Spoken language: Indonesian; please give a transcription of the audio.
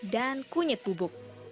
dan kunyit bubuk